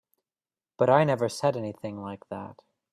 But I never said anything like that.